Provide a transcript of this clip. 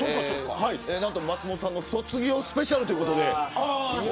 松本さんの卒業スペシャルということで。